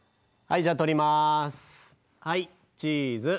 はいチーズ。